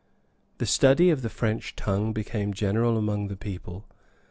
The study of the French tongue became general among the people.